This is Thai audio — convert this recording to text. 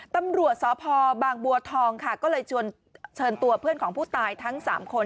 ตำรวจสพบางบัวทองค่ะก็เลยเชิญตัวเพื่อนของผู้ตายทั้ง๓คน